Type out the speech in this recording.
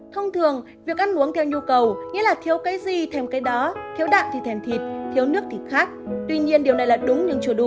thông thường việc ăn uống theo nhu cầu nghĩa là thiếu cái gì thèm cái đó thiếu đạm thì thèm thịt thiếu nước thì khác tuy nhiên điều này là đúng nhưng chưa đủ